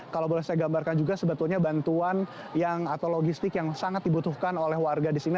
kalau boleh saya gambarkan juga sebetulnya bantuan atau logistik yang sangat dibutuhkan oleh warga di sini